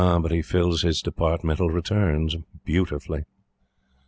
But he fills in his Departmental returns beautifully.